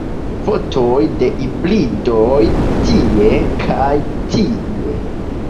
Fotoj de hibridoj tie kaj tie.